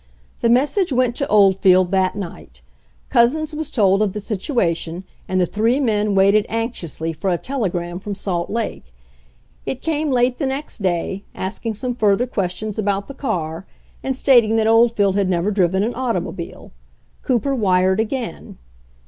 The message went to Oldfield that night. Couzens was told of the situation, and the three men waited anxiously for a telegram from Salt Lake. It came late the next day, asking some further questions about the car and stating that Oldfield had never driven an automobile. Cooper wired again.